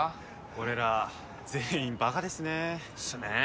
俺ら全員バカですねっすね